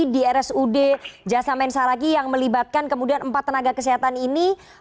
di rsud jasa mensa raky yang melibatkan kemudian empat tenaga kesehatan ini